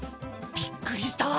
びっくりした。